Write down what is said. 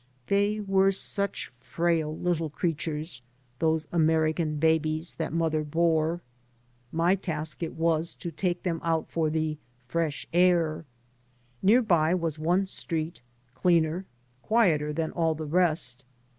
They were such frail little creatures, those American babies that mother bore. My 3 by Google MY MOTHER AND 1 task it was to take them out for the " fresh air." Nearby was one street, cleaner, quieter, than all the rest.